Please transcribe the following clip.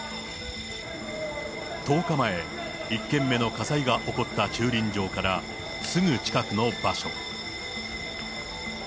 １０日前、１件目の火災が起こった駐輪場からすぐ近くの場所。